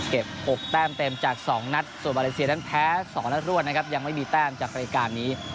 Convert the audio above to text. ๖แต้มเต็มจาก๒นัดส่วนมาเลเซียนั้นแพ้๒นัดรวดนะครับยังไม่มีแต้มจากรายการนี้